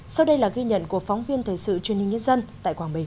sau đây là ghi nhận của phóng viên thời sự truyền hình nhân dân tại quảng bình